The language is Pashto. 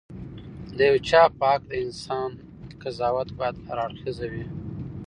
د یو چا په حق د انسان قضاوت باید هراړخيزه وي.